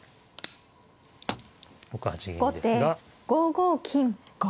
５五金。